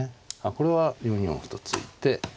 これは４四歩と突いて。